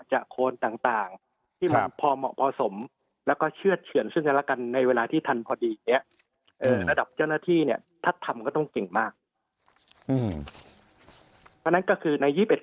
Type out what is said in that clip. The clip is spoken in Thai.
จักรโครนต่างต่างที่มันพอเหมาะผสมแล้วก็เชื่อเฉียนสื่อ